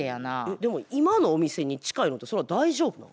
でも今のお店に近いのってそれは大丈夫なの？